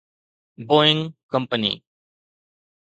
Boeing company